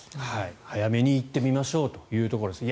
早めに行ってみましょうというところです。